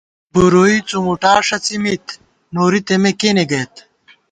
بُورُوئی څُمُوٹا ݭَڅی مِت ، نوری تېمے کېنے گئیت